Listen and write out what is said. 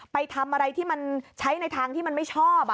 ไปทำอะไรที่มันใช้ในทางที่มันไม่ชอบ